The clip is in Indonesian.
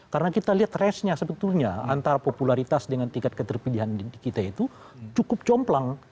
karena kita lihat race nya sebetulnya antara popularitas dengan tingkat keterpilihan kita itu cukup jomplang